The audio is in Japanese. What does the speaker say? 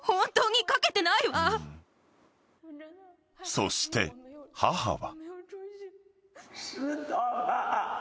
［そして母は］